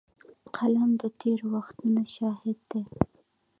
قلم د تېر وختونو شاهد دی